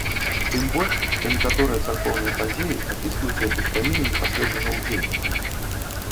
Тым больш, што некаторыя царкоўныя падзеі апісваюцца як успаміны непасрэднага ўдзельніка.